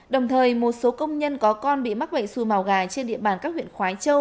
đồng thời một số công nhân có con bị mắc bệnh su màu gà trên địa bàn các huyện khói châu